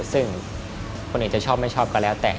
ซึ่งคนอื่นจะชอบไม่ชอบก็แล้วแต่